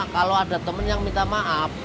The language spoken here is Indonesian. kalau ada teman yang minta maaf